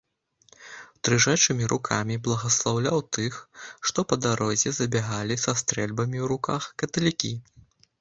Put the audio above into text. Дрыжачымі рукамі благаслаўляў тых, што па дарозе забягалі са стрэльбамі ў руках, каталікі.